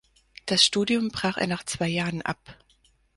Das Studium brach er nach zwei Jahren ab.